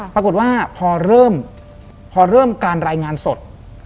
ปรากฏว่าพอเริ่มการรายงานสด